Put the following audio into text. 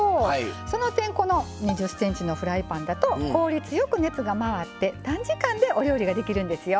その点この２０ｃｍのフライパンだと効率よく熱が回って短時間でお料理ができるんですよ。